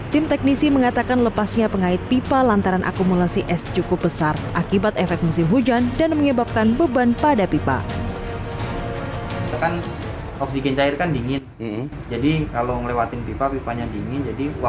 tim teknisi mengatakan lepasnya pengait pipa lantaran akumulasi es cukup besar akibat efek musim hujan dan menyebabkan beban pada pipa